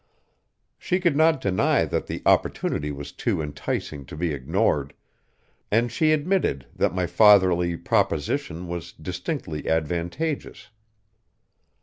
She could not deny that the opportunity was too enticing to be ignored, and she admitted that my fatherly proposition was distinctly advantageous.